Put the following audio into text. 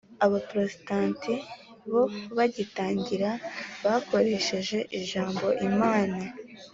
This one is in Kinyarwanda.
abaporotestanti bo bagitangira bakoresheje ijambo "imana".